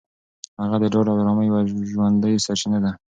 هغه د ډاډ او ارامۍ یوه ژوندۍ سرچینه ده.